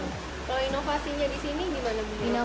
kalau inovasinya di sini gimana bu